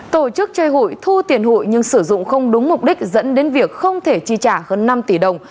tổ chức chơi hụi thu tiền hụi nhưng sử dụng không đúng mục đích dẫn đến việc không thể chi trả hơn năm tỷ đồng